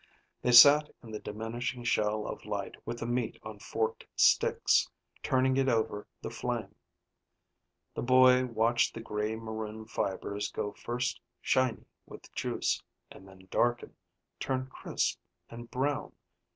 They sat in the diminishing shell of light with the meat on forked sticks, turning it over the flame. The boy watched the gray maroon fibers go first shiny with juice, and then darken, turn crisp and brown.